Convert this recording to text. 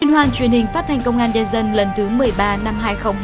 liên hoan truyền hình phát thanh công an nhân dân lần thứ một mươi ba năm hai nghìn hai mươi